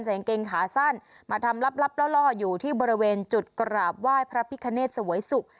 กางเกงขาสั้นมาทำลับล่ออยู่ที่บริเวณจุดกราบไหว้พระพิคเนตเสวยสุข